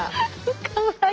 かわいい。